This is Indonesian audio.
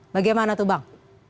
bagaimana tuh bang